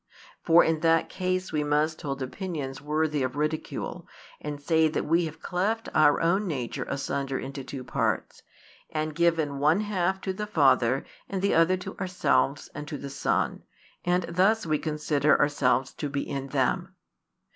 For in that case we must hold opinions worthy of ridicule, and say that we have cleft our own nature asunder into two parts, and given one half to the Father and the other to ourselves and to the Son, and thus we consider ourselves to be in Them.